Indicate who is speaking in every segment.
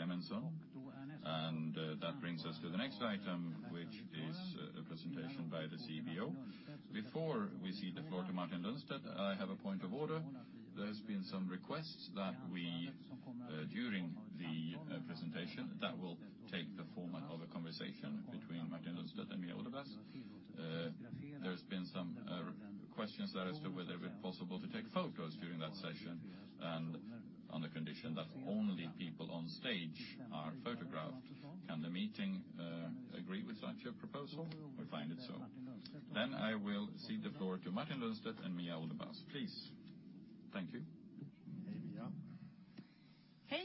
Speaker 1: Thank you, Peter Clemenzon. That brings us to the next item, which is a presentation by the CEO. Before we cede the floor to Martin Lundstedt, I have a point of order. There's been some requests that we, during the presentation, that will take the format of a conversation between Martin Lundstedt and Mia Eneroth. There's been some questions there as to whether it be possible to take photos during that session, and on the condition that only people on stage are photographed. Can the meeting agree with such a proposal or find it so? I will cede the floor to Martin Lundstedt and Mia Eneroth, please. Thank you.
Speaker 2: Hey.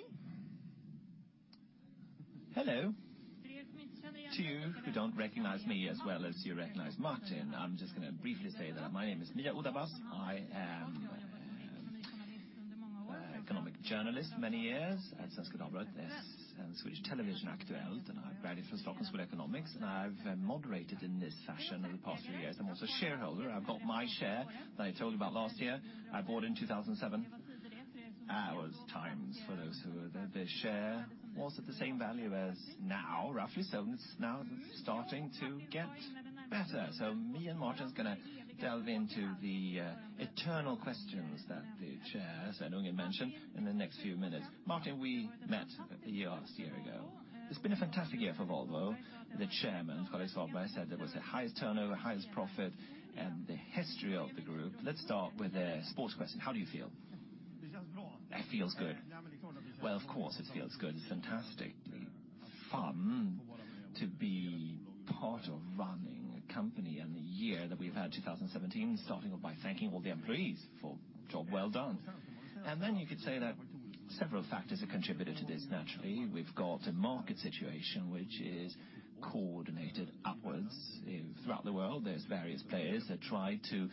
Speaker 2: Hello. To you who don't recognize me as well as you recognize Martin, I'm just going to briefly say that my name is Mia Eneroth. I am an economic journalist many years at Svenska Dagbladet and Swedish Television Aktuellt, and I graduated from Stockholm School of Economics. I've moderated in this session over the past few years. I'm also a shareholder. I've got my share that I told about last year. I bought in 2007. That was times for those who were there. The share was at the same value as now, roughly. It's now starting to get better. Me and Martin's going to delve into the eternal questions that the chair, Sven-Olof, mentioned in the next few minutes. Martin, we met a year ago. It's been a fantastic year for Volvo. The chairman, Carl-Henric Svanberg, said it was the highest turnover, highest profit in the history of the group. Let's start with a sports question. How do you feel? It feels good. Well, of course it feels good. It's fantastic. Fun to be part of running a company and the year that we've had, 2017, starting off by thanking all the employees for job well done. Then you could say that several factors have contributed to this, naturally. We've got a market situation which is coordinated upwards. Throughout the world, there's various players that try to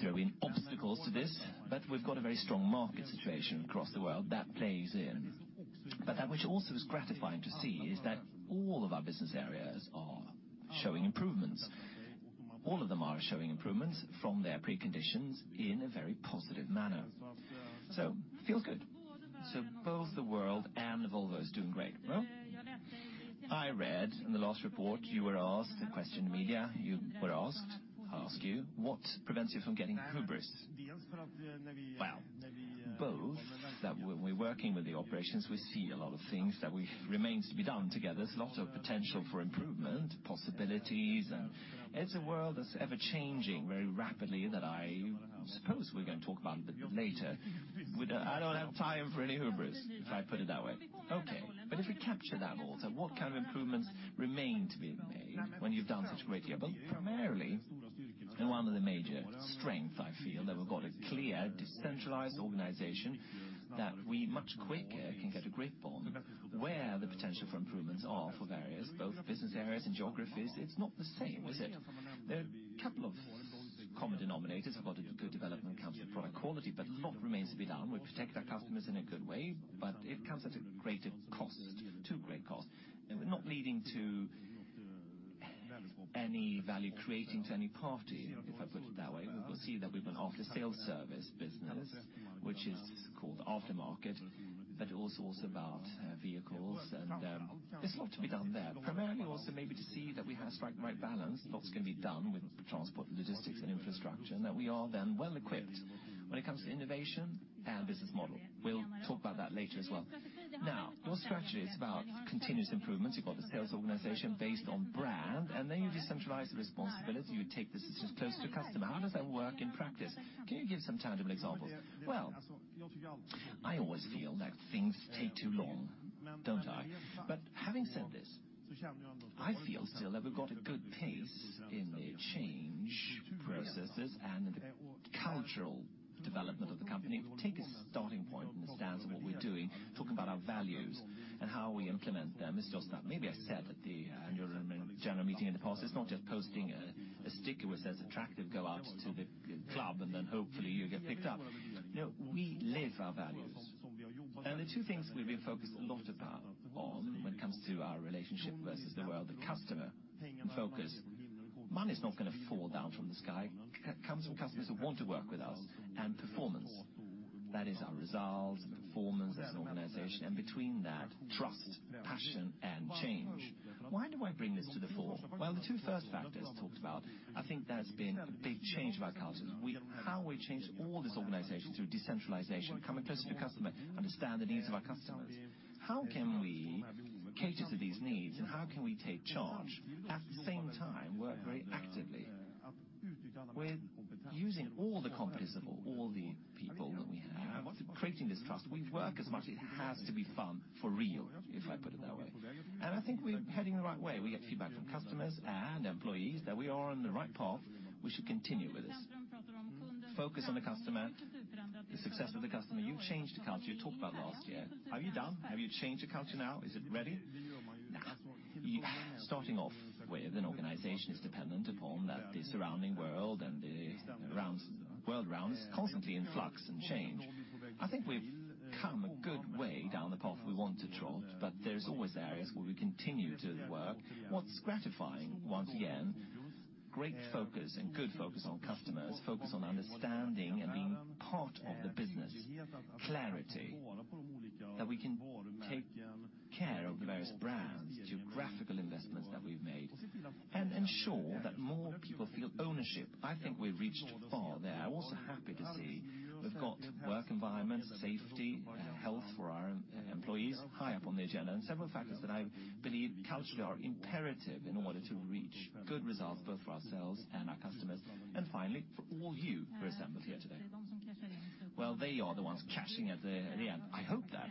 Speaker 2: throw in obstacles to this, we've got a very strong market situation across the world that plays in. That which also is gratifying to see is that all of our business areas are showing improvements. All of them are showing improvements from their preconditions in a very positive manner.
Speaker 3: It feels good. Both the world and Volvo is doing great. Well. I read in the last report you were asked a question in the media. Asked. What prevents you from getting hubris? Both that when we're working with the operations, we see a lot of things that remains to be done together. There's a lot of potential for improvement, possibilities, and it's a world that's ever-changing very rapidly that I suppose we're going to talk about a bit later. I don't have time for any hubris, if I put it that way. Okay. If we capture that also, what kind of improvements remain to be made when you've done such a great year? Primarily, and one of the major strength, I feel, that we've got a clear, decentralized organization that we much quicker can get a grip on where the potential for improvements are for various both business areas and geographies. It's not the same, is it? There are a couple of common denominators about a good development when it comes to product quality, but a lot remains to be done. We protect our customers in a good way, but it comes at a greater cost, too great cost. We're not leading to any value-creating to any party, if I put it that way. We will see that with an after-sales service business, which is called aftermarket, but also about vehicles and there's a lot to be done there. Primarily also, maybe, to see that we have struck the right balance. A lot's going to be done with transport, logistics, and infrastructure, that we are then well-equipped when it comes to innovation and business model. We'll talk about that later as well. Your strategy is about continuous improvements. You've got the sales organization based on brand, you decentralize the responsibility. You take the decisions close to customer. How does that work in practice? Can you give some tangible examples? I always feel like things take too long, don't I? Having said this, I feel still that we've got a good pace in the change processes and in the cultural development of the company. We take a starting point in the stance of what we're doing, talk about our values and how we implement them. It's just that maybe I said at the Annual General Meeting in the past, it's not just posting a sticker which says attractive, go out to the club, hopefully you get picked up. No, we live our values. The two things we've been focused a lot upon when it comes to our relationship versus the world, the customer focus. Money's not going to fall down from the sky. It comes from customers who want to work with us. Performance. That is our results and performance as an organization. Between that, trust, passion, and change. Why do I bring this to the fore? The two first factors I talked about, I think there's been a big change of our culture. How we change all this organization through decentralization, coming close to the customer, understand the needs of our customers. How can we cater to these needs, how can we take charge? At the same time, work very actively with using all the competence of all the people that we have, creating this trust. We work as much as it has to be fun for real, if I put it that way. I think we're heading the right way. We get feedback from customers and employees that we are on the right path. We should continue with this. Focus on the customer, the success of the customer. You changed the culture you talked about last year. Are you done? Have you changed the culture now? Is it ready? Starting off with an organization is dependent upon that the surrounding world and the world around us constantly in flux and change. I think we've come a good way down the path we want to trod, but there's always areas where we continue to work. What's gratifying, once again. Great focus and good focus on customers, focus on understanding and being part of the business. Clarity that we can take care of the various brands, geographical investments that we've made, and ensure that more people feel ownership. I think we've reached far there. I'm also happy to see we've got work environment, safety, and health for our employees high up on the agenda, and several factors that I believe culturally are imperative in order to reach good results both for ourselves and our customers, and finally, for all you who assembled here today. Well, they are the ones cashing at the end. I hope that.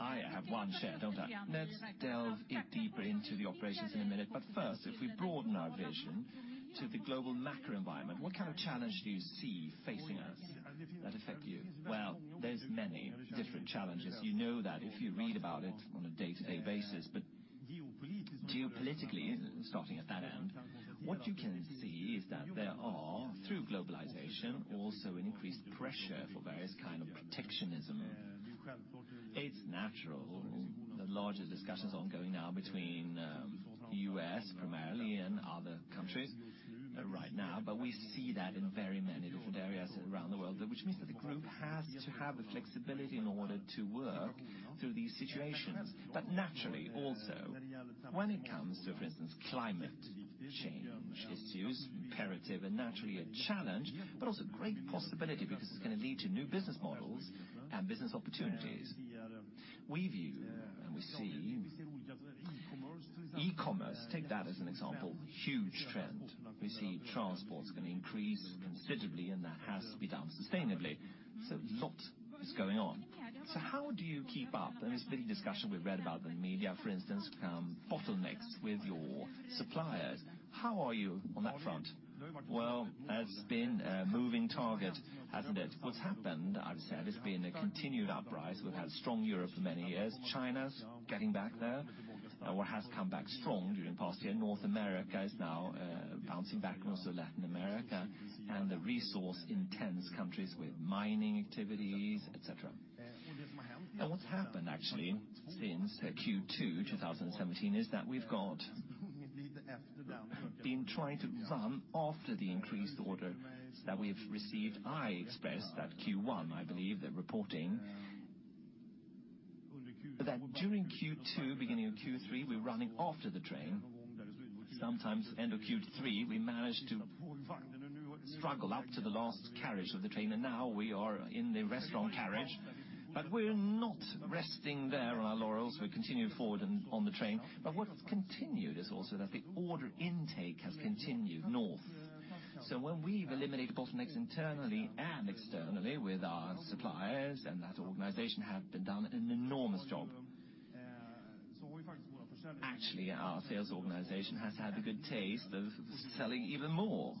Speaker 3: I have one share, don't I? Let's delve deeper into the operations in a minute. First, if we broaden our vision to the global macro environment, what kind of challenge do you see facing us that affect you? Well, there's many different challenges. You know that if you read about it on a day-to-day basis. Geopolitically, starting at that end, what you can see is that there are, through globalization, also an increased pressure for various kind of protectionism. It's natural, the largest discussions ongoing now between the U.S. primarily and other countries right now. We see that in very many different areas around the world, which means that the group has to have the flexibility in order to work through these situations. Naturally also, when it comes to, for instance, climate change issues, imperative and naturally a challenge, but also great possibility because it's going to lead to new business models and business opportunities.
Speaker 2: We view and we see e-commerce, take that as an example, huge trend. We see transport is going to increase considerably, and that has to be done sustainably. A lot is going on. How do you keep up? There is big discussion we've read about the media, for instance, bottlenecks with your suppliers. How are you on that front? Well, it's been a moving target, hasn't it? What's happened, I would say, has been a continued uprise. We've had strong Europe for many years. China's getting back there, or has come back strong during the past year. North America is now bouncing back, also Latin America, and the resource-intense countries with mining activities, et cetera. What's happened actually since Q2 2017 is that we've been trying to run after the increased order that we've received.
Speaker 3: I expressed that Q1, I believe, the reporting, that during Q2, beginning of Q3, we're running after the train. Sometimes end of Q3, we managed to struggle up to the last carriage of the train, and now we are in the restaurant carriage. We're not resting there on our laurels. We continue forward on the train. What continued is also that the order intake has continued north. When we've eliminated bottlenecks internally and externally with our suppliers, and that organization have done an enormous job. Actually, our sales organization has had a good taste of selling even more.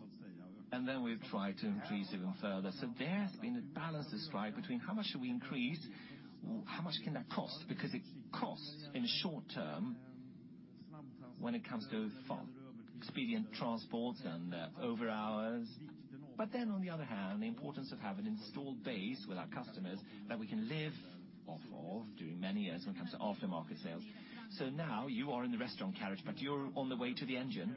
Speaker 3: Then we've tried to increase even further. There has been a balance to strike between how much should we increase, how much can that cost? Because it costs in short term when it comes to expedient transports and over hours. On the other hand, the importance of having an installed base with our customers that we can live off of during many years when it comes to aftermarket sales. Now you are in the restaurant carriage, you're on the way to the engine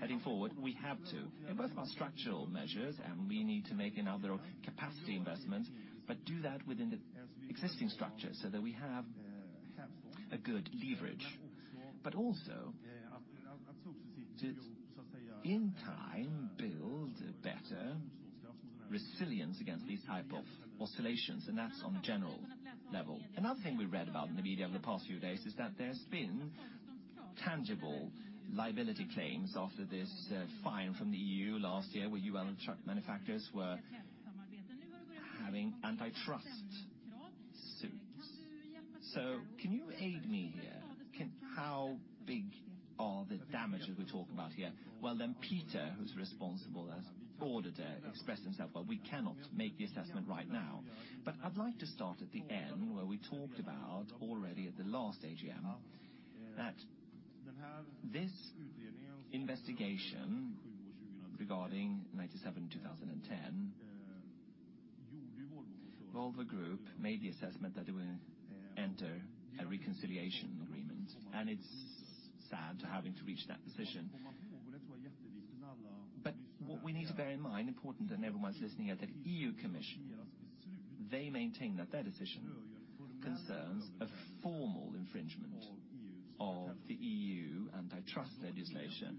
Speaker 3: heading forward. We have to. In both our structural measures, we need to make another capacity investment, do that within the existing structure so that we have a good leverage. Also to, in time, build a better resilience against these type of oscillations, that's on general level. Another thing we read about in the media over the past few days is that there's been tangible liability claims after this fine from the EU last year where you and the truck manufacturers were having antitrust suits. Can you aid me here? How big are the damages we talk about here? Peter, who's responsible, has ordered to express himself, we cannot make the assessment right now. I'd like to start at the end where we talked about already at the last AGM, that this investigation regarding 1997, 2010, Volvo Group made the assessment that they will enter a reconciliation agreement. It's sad to having to reach that decision. What we need to bear in mind, important that everyone's listening here, that European Commission, they maintain that their decision concerns a formal infringement of the EU antitrust legislation,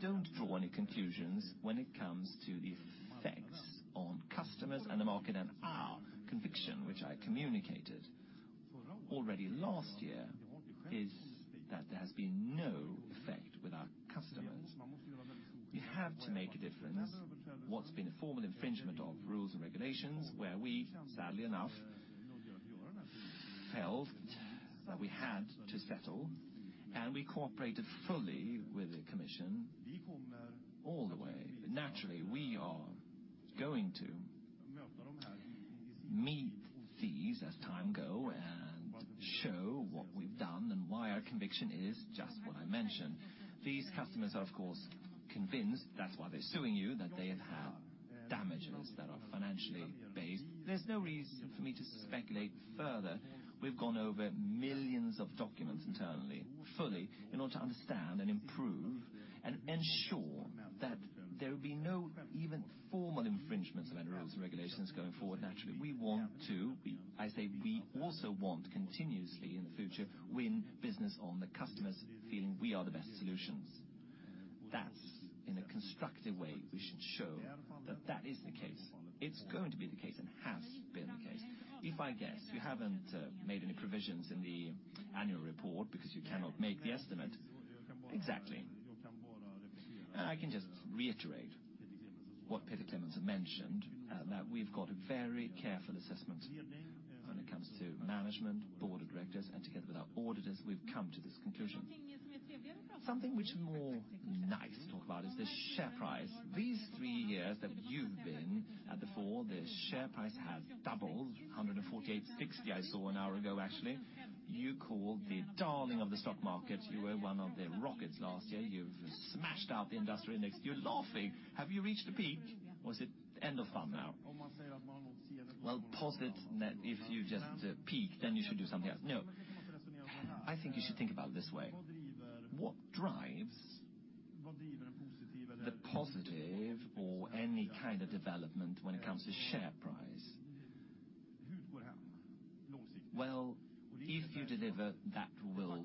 Speaker 3: don't draw any conclusions when it comes to the effects on customers and the market and our conviction, which I communicated already last year, is that there has been no effect with our customers. We have to make a difference what's been a formal infringement of rules and regulations, where we, sadly enough, felt that we had to settle, we cooperated fully with the Commission all the way. Naturally, we are going to meet these as time go and show what we've done and why our conviction is just what I mentioned. These customers are, of course, convinced, that's why they're suing you, that they have had damages that are financially based. There's no reason for me to speculate further. We've gone over millions of documents internally, fully, in order to understand and improve and ensure that there will be no even formal infringements of any rules and regulations going forward. Naturally, we also want continuously in the future win business on the customers feeling we are the best solutions. That's in a constructive way we should show that that is the case. It's going to be the case and has been the case. If I guess, you haven't made any provisions in the annual report because you cannot make the estimate. Exactly. I can just reiterate what Peter Clemenzon mentioned, that we've got a very careful assessment when it comes to management, Board of Directors, together with our auditors, we've come to this conclusion. Something which more nice to talk about is the share price. These 3 years that you've been at the fore, the share price has doubled, 148.60 I saw an hour ago, actually. You called the darling of the stock market. You were one of the rockets last year. You've smashed out the industrial index. You're laughing. Have you reached the peak or is it end of fun now? Well, positive if you just peak, then you should do something else. No. I think you should think about it this way. What drives the positive or any kind of development when it comes to share price? Well, if you deliver, that will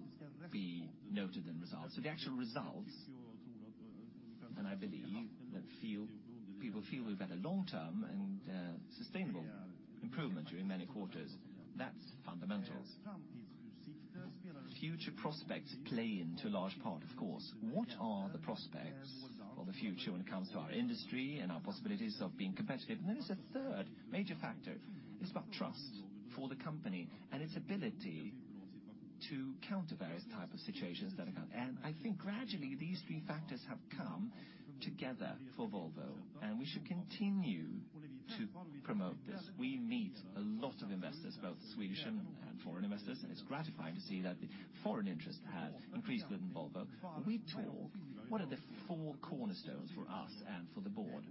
Speaker 3: be noted in results. The actual results, and I believe that people feel we've had a long-term and sustainable improvement during many quarters. That's fundamentals. Future prospects play into a large part, of course. What are the prospects for the future when it comes to our industry and our possibilities of being competitive? There is a third major factor, is about trust for the company and its ability to counter various type of situations that occur. I think gradually these three factors have come together for Volvo, and we should continue to promote this. We meet a lot of investors, both Swedish and foreign investors, and it's gratifying to see that the foreign interest has increased within Volvo. We talk what are the four cornerstones for us and for the board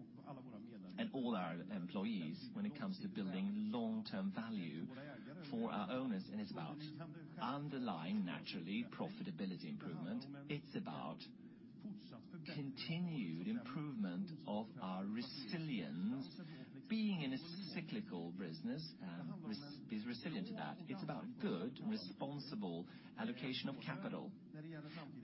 Speaker 3: and all our employees when it comes to building long-term value for our owners, and it's about underlying, naturally, profitability improvement. It's about continued improvement of our resilience. Being in a cyclical business is resilient to that. It's about good, responsible allocation of capital,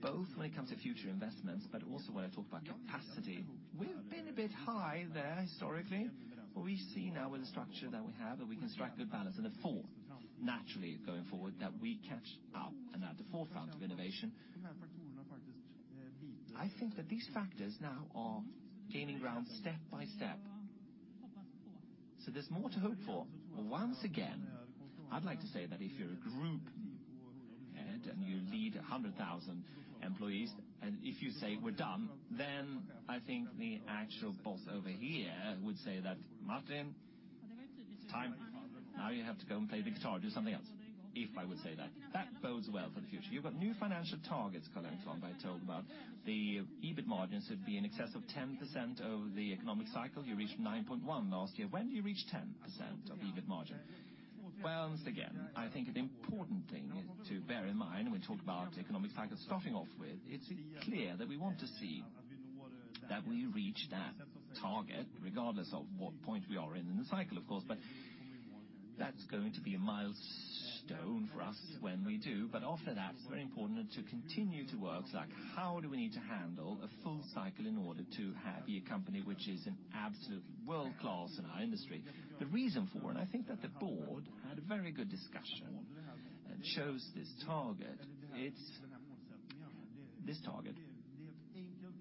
Speaker 3: both when it comes to future investments, but also when I talk about capacity. We've been a bit high there historically, but we see now with the structure that we have that we can strike good balance. The fourth, naturally, going forward, that we catch up and are at the forefront of innovation. I think that these factors now are gaining ground step by step. There's more to hope for. Once again, I'd like to say that if you're a group head and you lead 100,000 employees, and if you say, "We're done," then I think the actual boss over here would say that, "Martin, time. Now you have to go and play the guitar, do something else." If I would say that. That bodes well for the future. You've got new financial targets, Carl Anton Bay told about. The EBIT margins would be in excess of 10% over the economic cycle. You reached 9.1 last year. When do you reach 10% of EBIT margin? Well, once again, I think the important thing is to bear in mind when we talk about economic cycles, starting off with, it's clear that we want to see that we reach that target regardless of what point we are in the cycle, of course. That's going to be a milestone for us when we do. After that, it's very important to continue to work, like how do we need to handle a full cycle in order to be a company which is an absolute world-class in our industry. I think that the board had a very good discussion and chose this target. It's this target.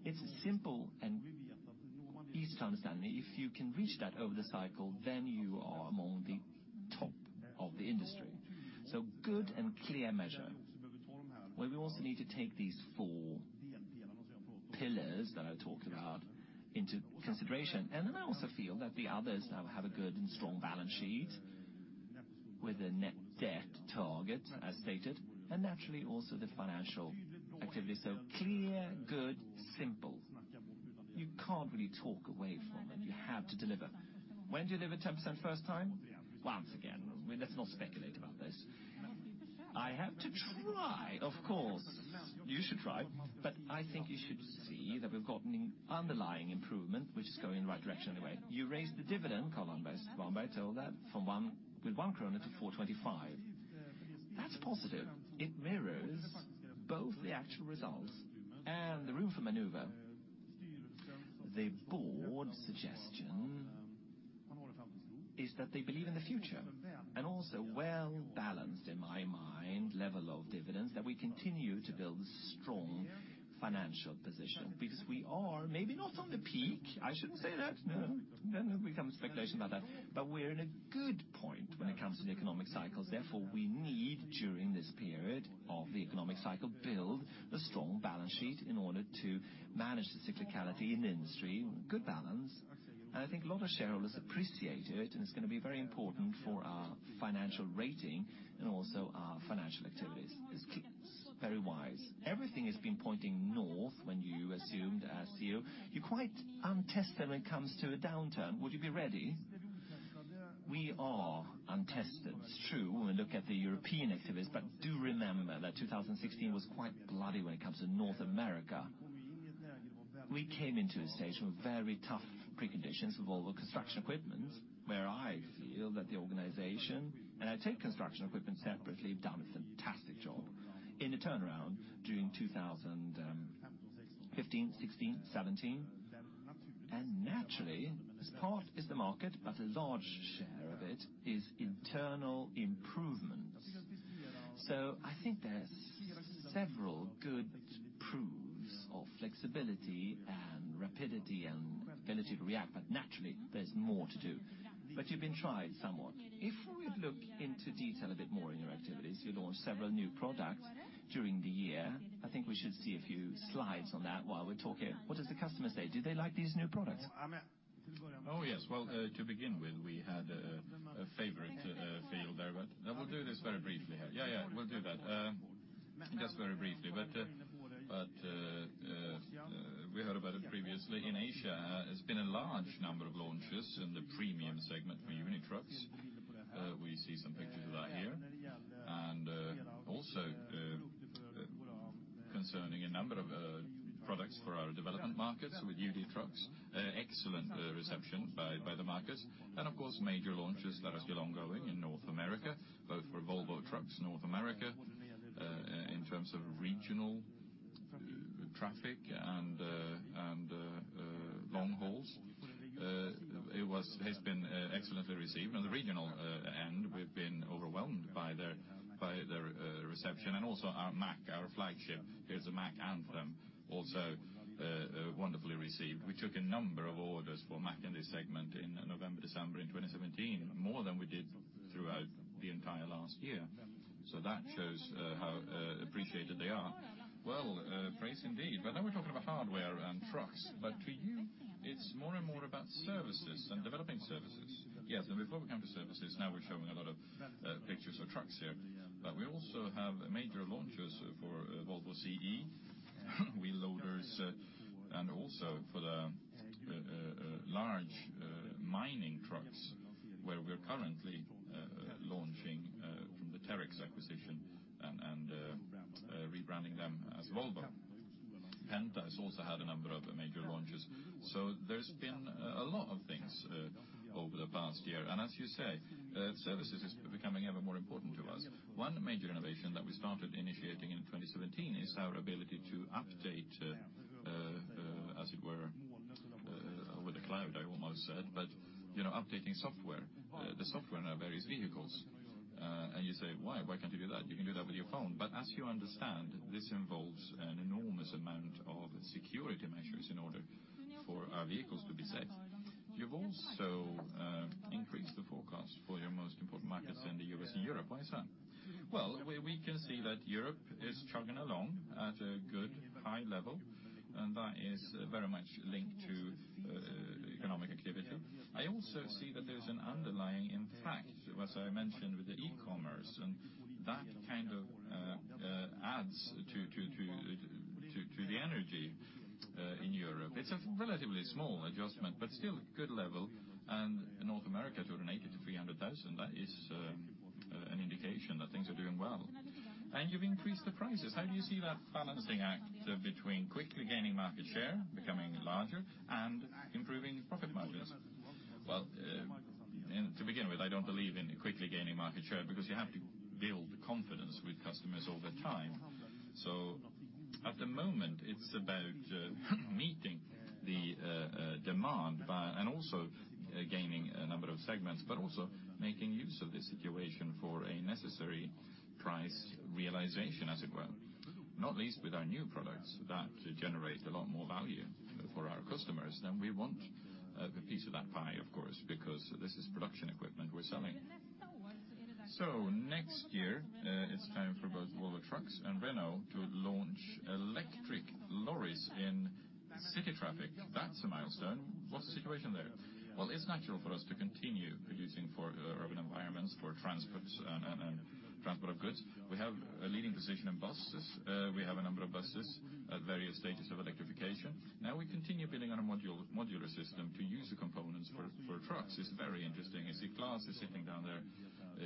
Speaker 3: It's simple and easy to understand. If you can reach that over the cycle, then you are among the top of the industry. Good and clear measure, where we also need to take these four pillars that I talked about into consideration. I also feel that the others have a good and strong balance sheet with a net debt target, as stated. Naturally also the financial activity. Clear, good, simple. You can't really talk away from it. You have to deliver. When deliver 10% first time? Once again, let's not speculate about this. I have to try, of course. You should try, but I think you should see that we've got an underlying improvement, which is going in the right direction anyway. You raised the dividend, Carl Anders, Bombay told that with 1 krona to 4.25. That's positive. It mirrors both the actual results and the room for maneuver. The board suggestion is that they believe in the future, and also well-balanced, in my mind, level of dividends, that we continue to build strong financial position because we are maybe not on the peak. I shouldn't say that. No, it becomes speculation about that. But we're in a good point when it comes to the economic cycles. We need, during this period of the economic cycle, build a strong balance sheet in order to manage the cyclicality in the industry. Good balance. I think a lot of shareholders appreciate it, and it's going to be very important for our financial rating and also our financial activities. It's very wise. Everything has been pointing north You assumed as CEO, you're quite untested when it comes to a downturn. Would you be ready? We are untested, it's true when we look at the European activities, but do remember that 2016 was quite bloody when it comes to North America. We came into a stage with very tough preconditions with Volvo Construction Equipment, where I feel that the organization, and I take construction equipment separately, have done a fantastic job in the turnaround during 2015, 2016, 2017. Naturally, part is the market, but a large share of it is internal improvements. I think there's several good proves of flexibility and rapidity and ability to react, but naturally, there's more to do. You've been tried somewhat. If we look into detail a bit more in your activities, you launched several new products during the year.
Speaker 2: I think we should see a few slides on that while we're talking. What does the customer say? Do they like these new products? Oh, yes. Well, to begin with, we had a favorite field there, but we'll do this very briefly here. Yeah, we'll do that. Just very briefly. We heard about it previously in Asia, it's been a large number of launches in the premium segment for UD Trucks. We see some pictures of that here. Also concerning a number of products for our development markets with UD Trucks, excellent reception by the markets. Of course, major launches that are still ongoing in North America, both for Volvo Trucks North America, in terms of regional traffic and long hauls. It has been excellently received. On the regional end, we've been overwhelmed by the reception. Also our Mack, our flagship, here's the Mack Anthem, also wonderfully received. We took a number of orders for Mack in this segment in November, December in 2017, more than we did throughout the entire last year. That shows how appreciated they are. Well, praise indeed. Now we're talking about hardware and trucks. To you, it's more and more about services and developing services. Yes, before we come to services, now we're showing a lot of pictures of trucks here. We also have major launches for Volvo CE wheel loaders and also for the large mining trucks where we're currently launching from the Terex acquisition and rebranding them as Volvo. Penta has also had a number of major launches. There's been a lot of things over the past year. As you say, services is becoming ever more important to us.
Speaker 3: One major innovation that we started initiating in 2017 is our ability to update, as it were, with the cloud, I almost said, but updating software, the software in our various vehicles. You say, "Why? Why can't you do that? You can do that with your phone." As you understand, this involves an enormous amount of security measures in order for our vehicles to be safe. You've also increased the forecast for your most important markets in the U.S. and Europe. Why is that? Well, we can see that Europe is chugging along at a good high level, and that is very much linked to economic activity. I also see that there's an underlying impact, as I mentioned, with the e-commerce, and that kind of adds to the energy in Europe. It's a relatively small adjustment, but still good level. North America to 180,000-300,000, that is an indication that things are doing well. You've increased the prices. How do you see that balancing act between quickly gaining market share, becoming larger, and improving profit margins? Well, to begin with, I don't believe in quickly gaining market share because you have to build confidence with customers over time. At the moment, it's about meeting the demand and also gaining a number of segments, but also making use of the situation for a necessary price realization, as it were. Not least with our new products that generate a lot more value for our customers, we want the piece of that pie, of course, because this is production equipment we're selling. Next year, it's time for both Volvo Trucks and Renault to launch electric lorries in city traffic. That's a milestone. What's the situation there? Well, it's natural for us to continue producing for urban environments, for transports and transport of goods. We have a leading position in buses. We have a number of buses at various stages of electrification. Now we continue building on a modular system to use the components for trucks. It's very interesting. I see Claes is sitting down there.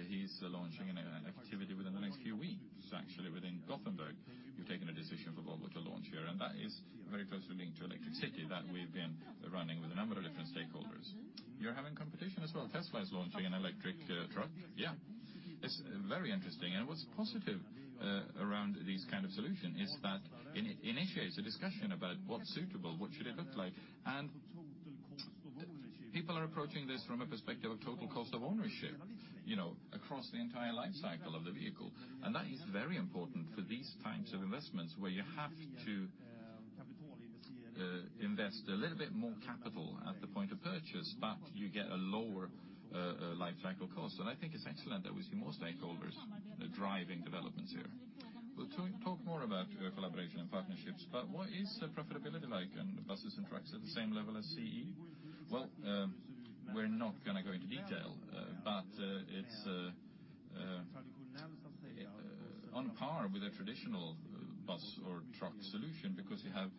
Speaker 3: He's launching an activity within the next few weeks, actually, within Gothenburg. We've taken a decision for Volvo to launch here, and that is very closely linked to ElectriCity that we've been running with a number of different stakeholders. You're having competition as well. Tesla is launching an electric truck. Yeah. What's positive around these kind of solution is that it initiates a discussion about what's suitable, what should it look like? People are approaching this from a perspective of total cost of ownership across the entire life cycle of the vehicle. That is very important for these types of investments where you have to invest a little bit more capital at the point of purchase, but you get a lower life cycle cost. I think it's excellent that we see more stakeholders driving developments here. We'll talk more about collaboration and partnerships, but what is the profitability like? Buses and trucks at the same level as Volvo CE? We're not going to go into detail, but it's on par with a traditional bus or truck solution because you have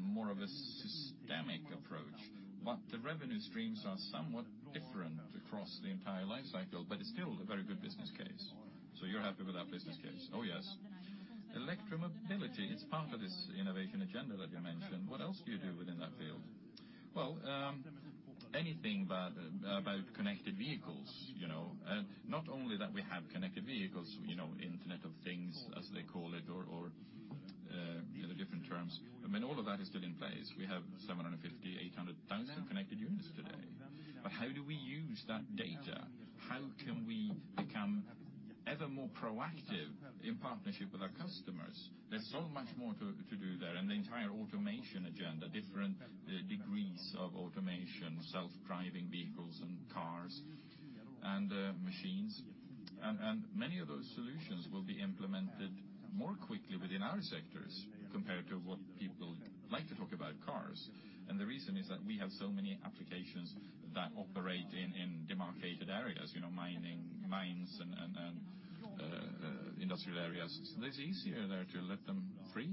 Speaker 3: more of a systemic approach. But the revenue streams are somewhat different across the entire life cycle, but it's still a very good business case. You're happy with that business case? Yes.
Speaker 2: Electromobility, it's part of this innovation agenda that you mentioned. What else do you do within that field? Anything about connected vehicles. Not only that we have connected vehicles, Internet of Things, as they call it, or the other different terms. I mean, all of that is still in place. We have 750,000, 800,000 connected units today. How do we use that data? How can we become ever more proactive in partnership with our customers? There's so much more to do there. The entire automation agenda, different degrees of automation, self-driving vehicles and cars and machines. Many of those solutions will be implemented more quickly within our sectors, compared to what people like to talk about cars. The reason is that we have so many applications that operate in demarcated areas, mining, mines, and industrial areas. Is it easier there to let them free?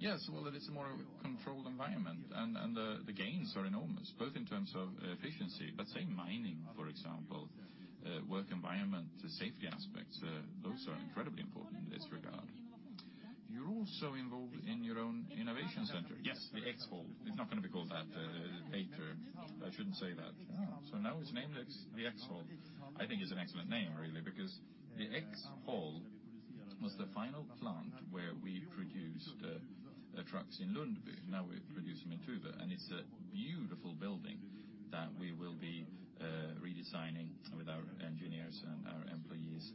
Speaker 3: Yes, it's a more controlled environment, and the gains are enormous, both in terms of efficiency. Let's say mining, for example, work environment, safety aspects, those are incredibly important in this regard. You're also involved in your own innovation center. Yes, the X Hall. It's not going to be called that later. I shouldn't say that. Now it's named the X Hall. I think it's an excellent name, really, because the X Hall was the final plant where we produced trucks in Lundby. Now we produce them in Tuve. It's a beautiful building that we will be redesigning with our engineers, and our employees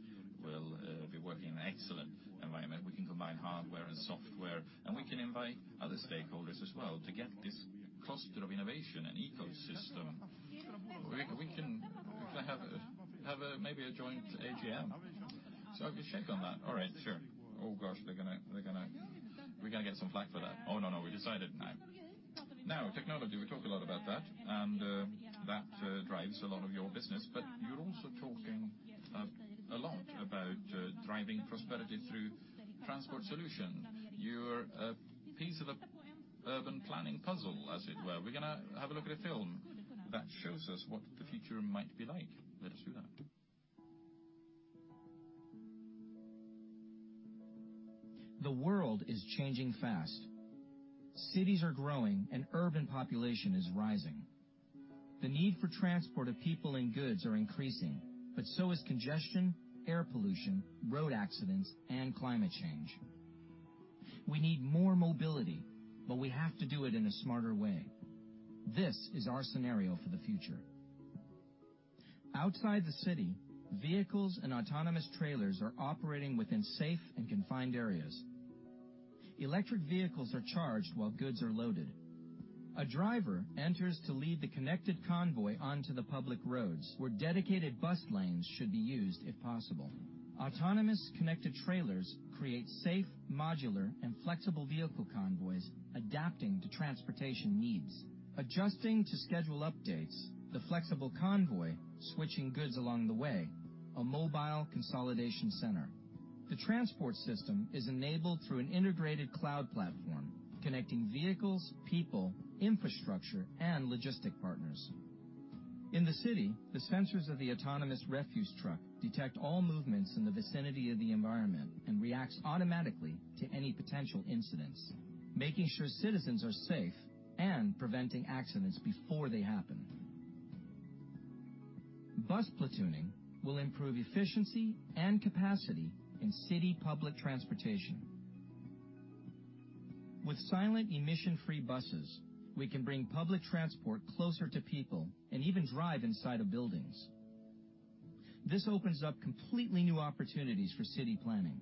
Speaker 3: will be working in an excellent environment. We can combine hardware and software, and we can invite other stakeholders as well to get this cluster of innovation and ecosystem. We can have maybe a joint AGM. I could check on that.
Speaker 2: All right, sure. Gosh, we're going to get some flak for that. No. We decided, no. Technology, we talk a lot about that, and that drives a lot of your business. You're also talking a lot about driving prosperity through transport solution. You're a piece of an urban planning puzzle, as it were. We're going to have a look at a film that shows us what the future might be like. Let us do that.
Speaker 4: The world is changing fast. Cities are growing and urban population is rising. The need for transport of people and goods are increasing, but so is congestion, air pollution, road accidents, and climate change. We need more mobility, but we have to do it in a smarter way. This is our scenario for the future. Outside the city, vehicles and autonomous trailers are operating within safe and confined areas. Electric vehicles are charged while goods are loaded. A driver enters to lead the connected convoy onto the public roads, where dedicated bus lanes should be used if possible. Autonomous connected trailers create safe, modular, and flexible vehicle convoys adapting to transportation needs. Adjusting to schedule updates, the flexible convoy, switching goods along the way, a mobile consolidation center. The transport system is enabled through an integrated cloud platform connecting vehicles, people, infrastructure, and logistic partners. In the city, the sensors of the autonomous refuse truck detect all movements in the vicinity of the environment and reacts automatically to any potential incidents, making sure citizens are safe and preventing accidents before they happen. Bus platooning will improve efficiency and capacity in city public transportation. With silent emission-free buses, we can bring public transport closer to people and even drive inside of buildings. This opens up completely new opportunities for city planning.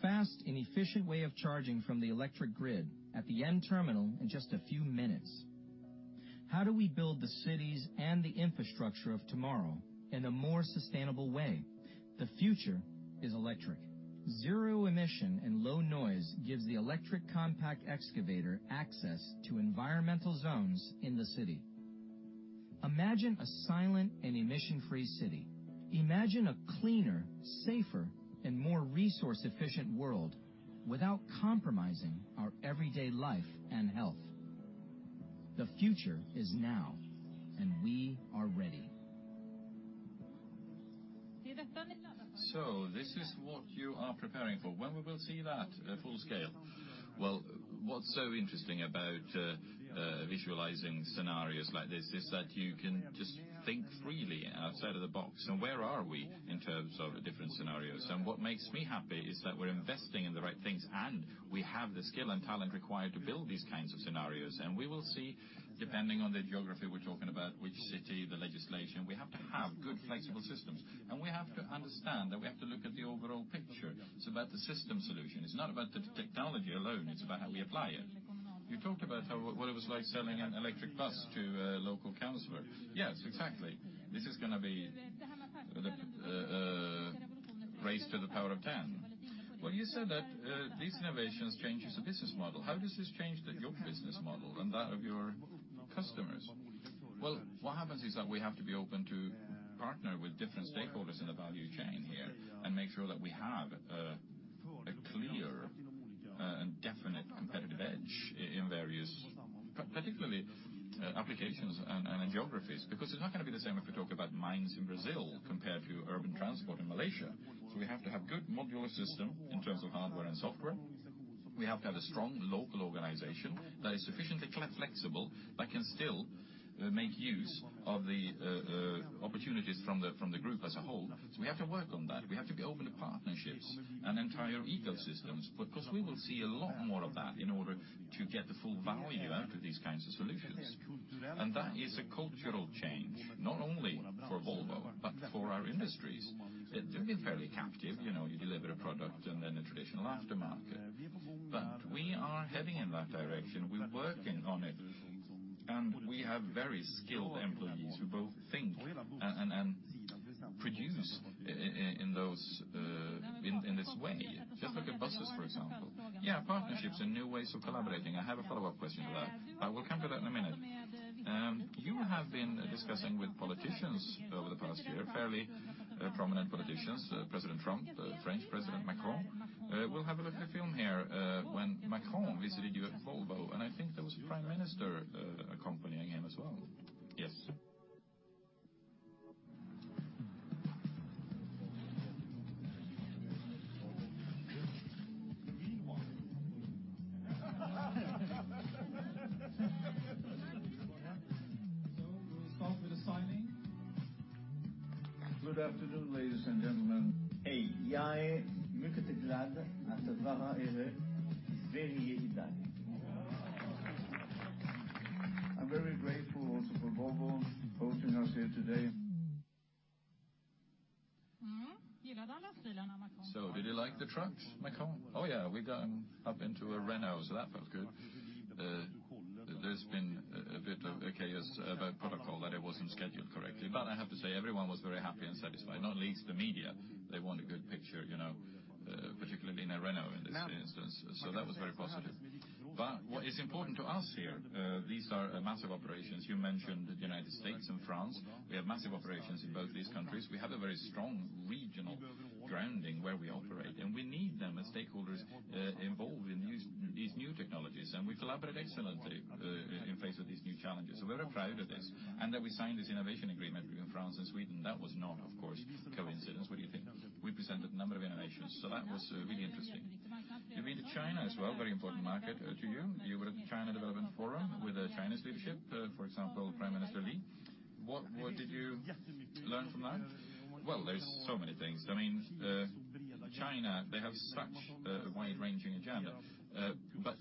Speaker 4: Fast and efficient way of charging from the electric grid at the end terminal in just a few minutes. How do we build the cities and the infrastructure of tomorrow in a more sustainable way? The future is electric. Zero emission and low noise gives the electric compact excavator access to environmental zones in the city. Imagine a silent and emission-free city. Imagine a cleaner, safer, and more resource-efficient world without compromising our everyday life and health. The future is now, we are ready.
Speaker 3: This is what you are preparing for. When we will see that at full scale? What's so interesting about visualizing scenarios like this is that you can just think freely and outside of the box, and where are we in terms of the different scenarios. What makes me happy is that we're investing in the right things, and we have the skill and talent required to build these kinds of scenarios. We will see, depending on the geography we're talking about, which city, the legislation, we have to have good flexible systems, and we have to understand that we have to look at the overall picture. It's about the system solution. It's not about the technology alone. It's about how we apply it. You talked about what it was like selling an electric bus to a local councilor. Yes, exactly.
Speaker 2: This is going to be raised to the power of 10. You said that these innovations changes the business model. How does this change your business model and that of your customers? What happens is that we have to be open to partner with different stakeholders in the value chain here and make sure that we have a clear and definite competitive edge in various, particularly applications and geographies, because it's not going to be the same if we talk about mines in Brazil compared to urban transport in Malaysia. We have to have good modular system in terms of hardware and software. We have to have a strong local organization that is sufficiently flexible, that can still make use of the opportunities from the group as a whole. We have to work on that.
Speaker 3: We have to be open to partnerships and entire ecosystems, because we will see a lot more of that in order to get the full value out of these kinds of solutions. That is a cultural change, not only for Volvo, but for our industries. They've been fairly captive. You deliver a product and then a traditional aftermarket. We are heading in that direction. We're working on it, and we have very skilled employees who both think and produce in this way. Just look at buses, for example. Partnerships and new ways of collaborating. I have a follow-up question to that. We'll come to that in a minute. You have been discussing with politicians over the past year, fairly prominent politicians, President Trump, French President Macron.
Speaker 2: We'll have a look at a film here when Macron visited you at Volvo, and I think there was a prime minister accompanying him as well. Yes. We will start with the signing. Good afternoon, ladies and gentlemen. I'm very grateful also for Volvo hosting us here today. Did he like the trucks, Macron? We got him up into a Renault, so that felt good. There's been a bit of a chaos about protocol, that it wasn't scheduled correctly. I have to say, everyone was very happy and satisfied, not least the media. They want a good picture, particularly being a Renault in this instance. That was very positive. What is important to us here, these are massive operations. You mentioned the U.S. and France. We have massive operations in both these countries.
Speaker 3: We have a very strong regional grounding where we operate, and we need them as stakeholders involved in these new technologies, and we collaborate excellently in face of these new challenges. We're very proud of this, and that we signed this innovation agreement between France and Sweden. That was not, of course, coincidence. What do you think? We presented a number of innovations, that was really interesting. You've been to China as well. Very important market to you. You were at the China Development Forum with the Chinese leadership, for example, Prime Minister Li. What did you learn from that? There's so many things. China, they have such a wide-ranging agenda.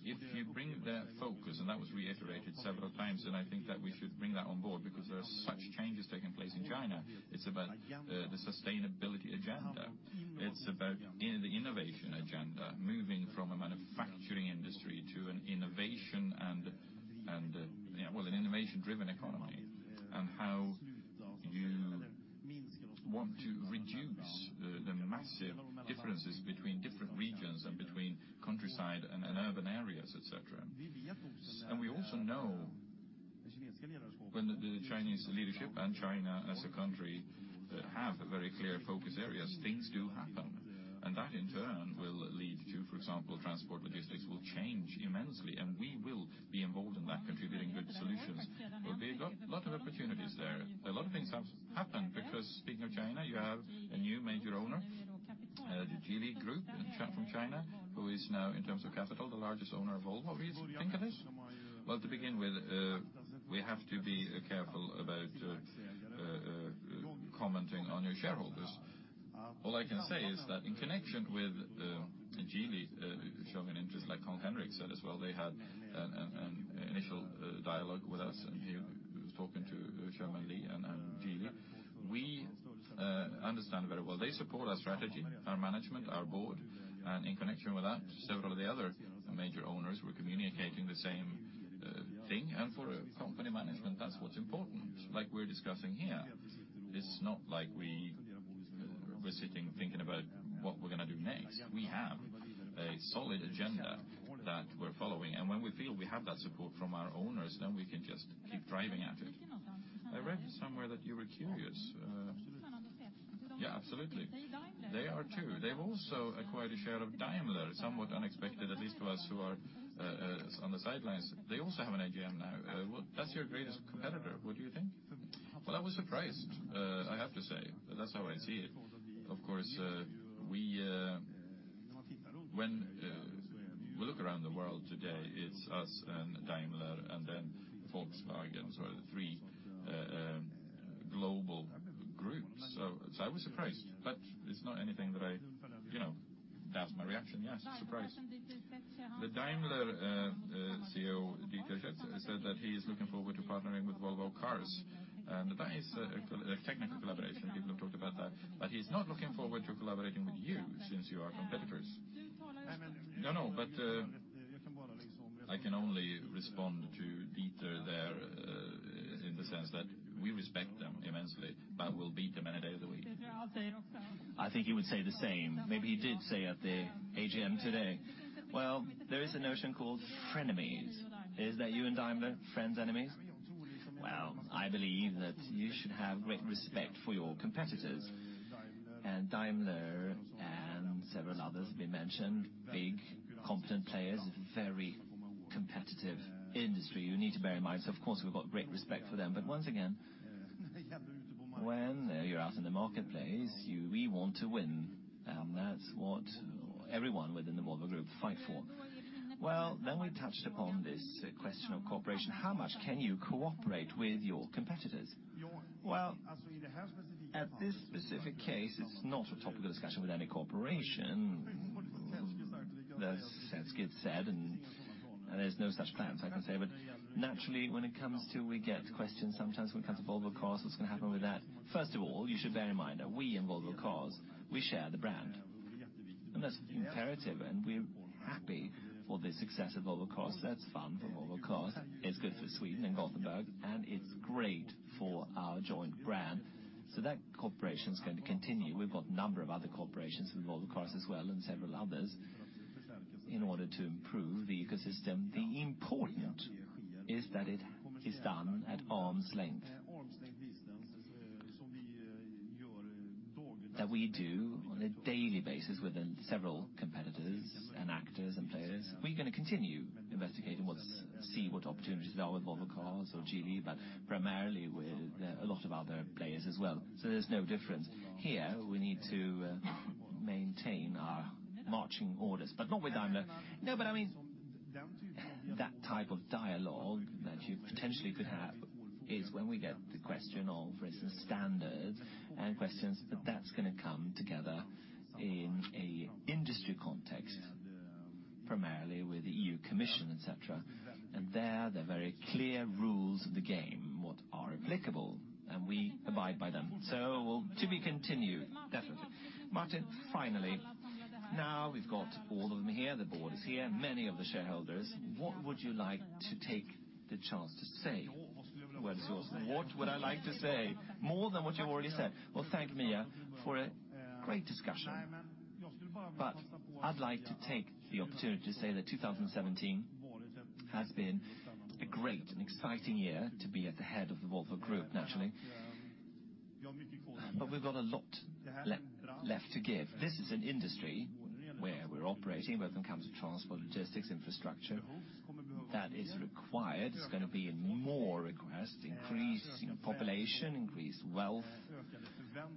Speaker 3: If you bring their focus, and that was reiterated several times, and I think that we should bring that on board because there are such changes taking place in China. It's about the sustainability agenda. It's about the innovation agenda, moving from a manufacturing industry to an innovation and well, an innovation-driven economy, and how you want to reduce the massive differences between different regions and between countryside and urban areas, et cetera. We also know when the Chinese leadership and China as a country have very clear focus areas, things do happen, and that in turn will lead to, for example, transport logistics will change immensely, and we will be involved in that, contributing good solutions. Well, there are lot of opportunities there. A lot of things have happened because speaking of China, you have a new major owner, the Geely Group, a chap from China, who is now, in terms of capital, the largest owner of Volvo. What do you think of this? Well, to begin with, we have to be careful about commenting on your shareholders. All I can say is that in connection with Geely showing an interest, like Henrik said as well, they had an initial dialogue with us, and he was talking to Chairman Li and Geely. We understand very well. They support our strategy, our management, our board, in connection with that, several of the other major owners were communicating the same thing. For a company management, that's what's important. Like we're discussing here, it's not like we're sitting, thinking about what we're going to do next. We have a solid agenda that we're following, when we feel we have that support from our owners, then we can just keep driving at it. I read somewhere that you were curious. Yeah, absolutely. They are too. They've also acquired a share of Daimler, somewhat unexpected, at least to us who are on the sidelines. They also have an AGM now.
Speaker 2: That's your greatest competitor. What do you think? Well, I was surprised, I have to say. That's how I see it. Of course, when we look around the world today, it's us and Daimler and then Volkswagen. The three global groups. I was surprised, but it's not anything that I-- That was my reaction. Yes, surprised. The Daimler CEO, Dieter Zetsche, said that he is looking forward to partnering with Volvo Cars, that is a technical collaboration. People have talked about that. He's not looking forward to collaborating with you since you are competitors. No, no.
Speaker 3: I can only respond to Dieter there in the sense that we respect them immensely, we'll beat them any day of the week. I think he would say the same. Maybe he did say at the AGM today. Well, there is a notion called frenemies. Is that you and Daimler, friends, enemies? Well, I believe that you should have great respect for your competitors, Daimler and several others we mentioned, big competent players, very competitive industry. You need to bear in mind, of course, we've got great respect for them. Once again, when you're out in the marketplace, we want to win. That's what everyone within the Volvo Group fight for. Well, we touched upon this question of cooperation. How much can you cooperate with your competitors? Well, at this specific case, it's not a topic of discussion with any cooperation. That's as Skids said, there's no such plans I can say. Naturally, when it comes to we get questions sometimes when it comes to Volvo Cars, what's going to happen with that? First of all, you should bear in mind that we and Volvo Cars, we share the brand, and that's imperative, and we're happy for the success of Volvo Cars. That's fun for Volvo Cars. It's good for Sweden and Gothenburg, and it's great for our joint brand. That cooperation is going to continue. We've got a number of other corporations with Volvo Cars as well and several others in order to improve the ecosystem. The important is that it is done at arm's length. That we do on a daily basis within several competitors and actors and players. We're going to continue investigating, see what opportunities there are with Volvo Cars or Geely, primarily with a lot of other players as well. There's no difference. Here, we need to maintain our marching orders, not with Daimler. I mean that type of dialogue that you potentially could have is when we get the question of, for instance, standards and questions, that that's going to come together in industry context, primarily with the European Commission, et cetera. There they're very clear rules of the game, what are applicable, and we abide by them. To be continued, definitely. Martin, finally, now we've got all of them here, the board is here, many of the shareholders. What would you like to take the chance to say? What would I like to say? More than what you already said. Thank Mia for a great discussion. I'd like to take the opportunity to say that 2017 has been a great and exciting year to be at the head of the Volvo Group, naturally. We've got a lot left to give. This is an industry where we're operating, whether it comes to transport, logistics, infrastructure, that is required. It's going to be more request, increased population, increased wealth,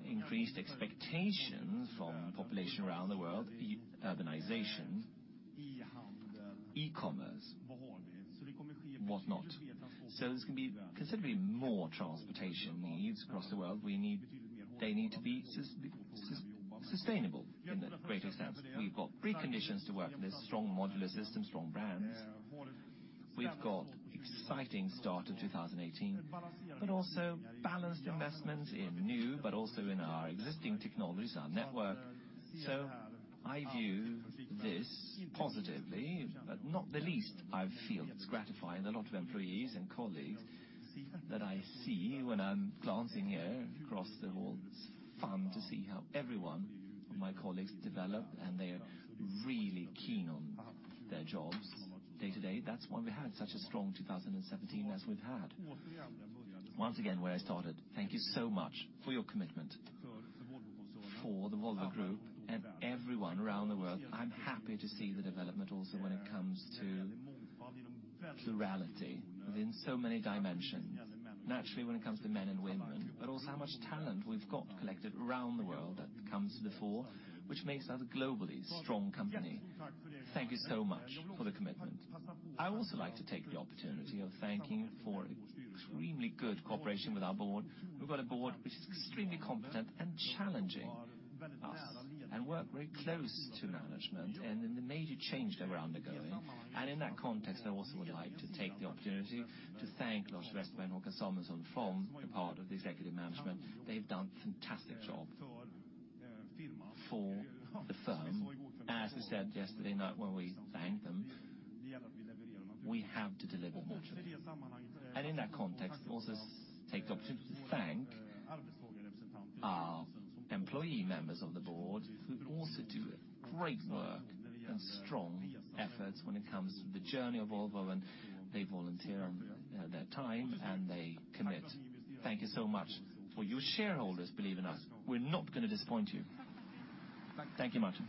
Speaker 3: increased expectations from population around the world, urbanization, e-commerce, what not. There's going to be considerably more transportation needs across the world. They need to be sustainable in the greatest sense. We've got preconditions to work this strong modular system, strong brands. We've got exciting start of 2018, also balanced investments in new, also in our existing technologies, our network. I view this positively, not the least, I feel it's gratifying a lot of employees and colleagues that I see when I'm glancing here across the hall. It's fun to see how everyone, my colleagues develop, and they are really keen on their jobs day to day. That's why we had such a strong 2017 as we've had. Once again, where I started, thank you so much for your commitment for the Volvo Group and everyone around the world. I'm happy to see the development also when it comes to plurality within so many dimensions. When it comes to men and women, also how much talent we've got collected around the world that comes to the fore, which makes us a globally strong company. Thank you so much for the commitment. I also like to take the opportunity of thanking for extremely good cooperation with our board. We've got a board which is extremely competent and challenging us and work very close to management and in the major change that we're undergoing. In that context, I also would like to take the opportunity to thank Lars Westerberg or Samuelsson from the part of the executive management. They've done fantastic job for the firm. As we said yesterday night when we thanked them, we have to deliver much of it. In that context, also take the opportunity to thank our employee members of the board who also do great work and strong efforts when it comes to the journey of Volvo, and they volunteer their time, and they commit. Thank you so much. For you shareholders, believe in us. We're not going to disappoint you. Thank you, Martin.